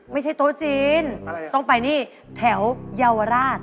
ไม่ใช่โต๊ะจีนต้องไปนี่แถวเยาวราช